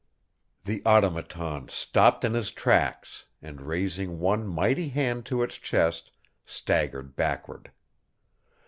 The Automaton stopped in his tracks and, raising one mighty hand to its chest, staggered backward.